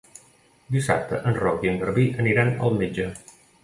Dissabte en Roc i en Garbí aniran al metge.